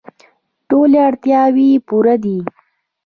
ټولې اړتیاوې یې پوره دي.